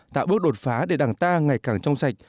tạo bước đột phá để đảng ta ngày càng trong sạch